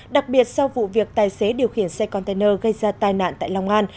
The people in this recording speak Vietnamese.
đặc biệt sau vụ việc tài xế điều khiển xe container gây ra tai nạn tại long an